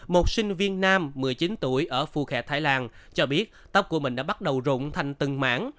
một sinh viên nam một mươi chín tuổi ở phu khe thái lan cho biết tóc của mình đã bắt đầu rụng thành từng mãn